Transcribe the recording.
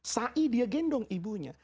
sa'i dia gendong ibunya